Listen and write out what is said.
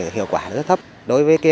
hiệu quả rất thấp đối với